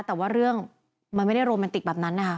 แต่ว่าเรื่องมันไม่ได้โรแมนติกแบบนั้นนะคะ